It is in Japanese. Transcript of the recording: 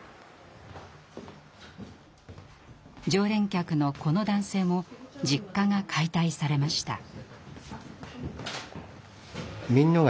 常連客のこの男性も実家が解体されました。